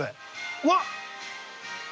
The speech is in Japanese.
うわっ。